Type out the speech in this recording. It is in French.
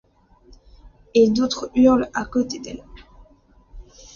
Et d'autres hurlent à côté d'elle.